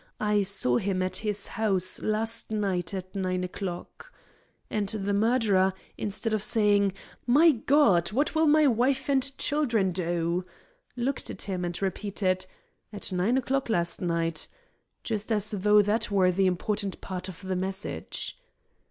I saw him at his house last night at nine o'clock.' And the murderer, instead of saying, 'My God! what will my wife and children do?' looked at him, and repeated, 'At nine o'clock last night!' just as though that were the important part of the message."